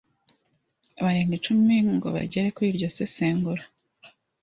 barenga icumi ngo bagere kuri iryo sesengura